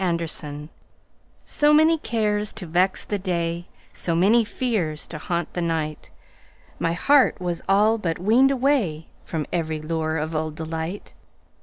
Summer Magic SO many cares to vex the day, So many fears to haunt the night, My heart was all but weaned awayFrom every lure of old delight.